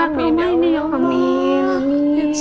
amin ya allah